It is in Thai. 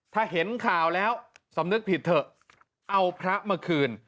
ถ้าเห็นข่าวแล้วสำนึกผิดเถอะเอาพระมาคืน